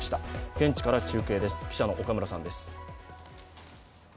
現地から中継です、記者の岡村さんです。